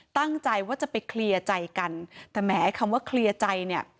ตั้งใจว่าจะไปเคลียร์ใจกันแต่แหมคำว่าเคลียร์ใจเนี่ย